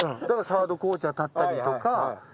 だからサードコーチャー立ったりとか。